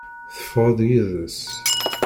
Tefɣeḍ yid-s.